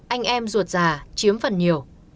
anh em ruột già chiếm phần nhiều